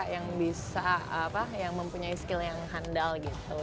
yang bisa apa yang mempunyai skill yang handal gitu